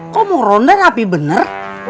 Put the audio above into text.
kok mau ronda tapi bener